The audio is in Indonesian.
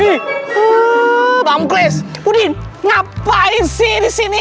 ih ih bang muklis pudin ngapain sih disini